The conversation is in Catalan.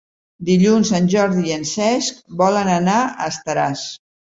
Dilluns en Jordi i en Cesc volen anar a Estaràs.